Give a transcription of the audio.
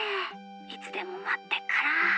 いつでもまってっから。